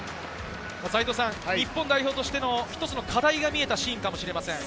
日本代表としても一つの課題が見えたシーンかもしれません。